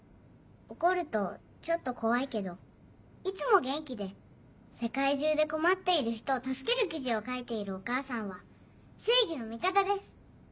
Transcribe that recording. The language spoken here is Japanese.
怒るとちょっと怖いけどいつも元気で世界中で困っている人を助ける記事を書いているお母さんは正義の味方です。